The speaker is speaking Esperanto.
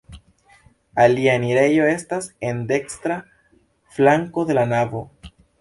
Alia enirejo estas en dekstra flanko de la navo.